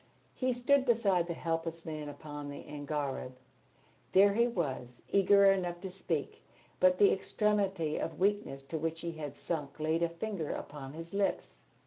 He stood beside the helpless man upon the angareb. There he was, eager enough to speak, but the extremity of weakness to which he had sunk laid a finger upon his lips.